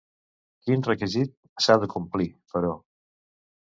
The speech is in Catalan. Quin requisit s'ha de complir, però?